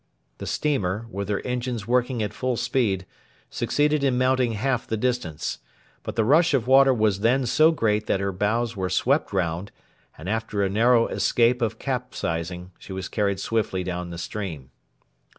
The steamer, with her engines working at full speed, succeeded in mounting half the distance. But the rush of water was then so great that her bows were swept round, and, after a narrow escape of capsizing, she was carried swiftly down the stream.